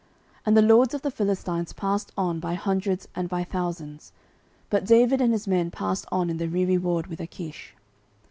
09:029:002 And the lords of the Philistines passed on by hundreds, and by thousands: but David and his men passed on in the rereward with Achish.